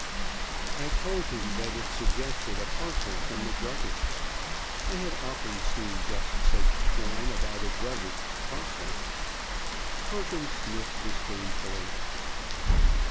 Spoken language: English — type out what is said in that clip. I told him that it suggested a parcel from the druggist's. I had often seen just such twine about a druggist's parcel. Perkins sniffed disdainfully.